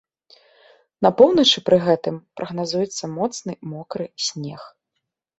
На поўначы пры гэтым прагназуецца моцны мокры снег.